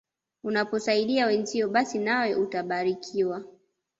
Unaposaidia wenzio basi nawe utabarikiwa.